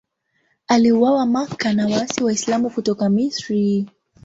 Aliuawa Makka na waasi Waislamu kutoka Misri.